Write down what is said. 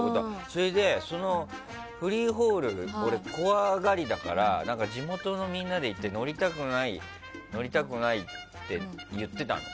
それで、フリーフォール俺、怖がりだから地元のみんなで行って乗りたくないって言ってたの。